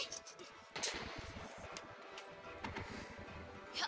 toanku ini nggak berhasil